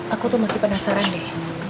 aku tuh masih penasaran nih